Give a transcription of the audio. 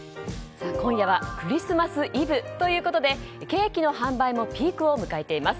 今夜はクリスマスイブということでケーキの販売もピークを迎えています。